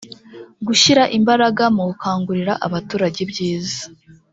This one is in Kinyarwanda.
gushyira imbaraga mu gukangurira abaturage ibyiza